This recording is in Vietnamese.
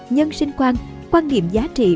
nhân sinh quan quan điểm giá trị